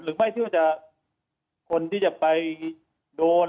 หรือไม่ที่ว่าจะคนที่จะไปโดน